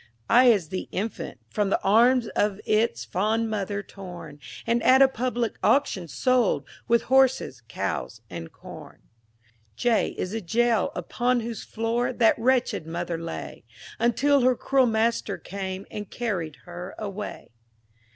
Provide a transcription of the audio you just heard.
I is the Infant, from the arms Of its fond mother torn, And, at a public auction, sold With horses, cows, and corn. J is the Jail, upon whose floor That wretched mother lay, Until her cruel master came, And carried her away.